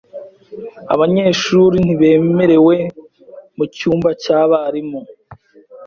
Abanyeshuri ntibemerewe mu cyumba cyabarimu .